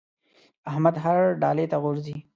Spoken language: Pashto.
احمد هر ډاله ته غورځي.